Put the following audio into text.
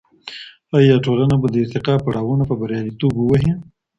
آيا ټولنه به د ارتقا پړاوونه په برياليتوب ووهي؟